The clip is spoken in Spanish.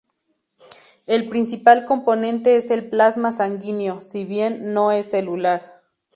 El principal componente es el plasma sanguíneo, si bien no es celular.